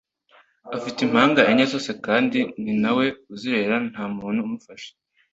Afite impanga enye zose kandi ninawe uzirerera nta muntu umufasha